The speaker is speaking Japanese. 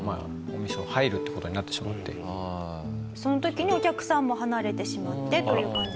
その時にお客さんも離れてしまってという感じで。